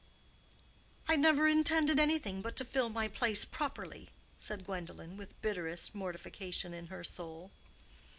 "I never intended anything but to fill my place properly," said Gwendolen, with bitterest mortification in her soul.